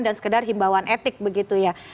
dan sekedar himbauan etik begitu ya